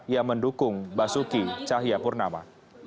yang mendukung basuki cahaya purnama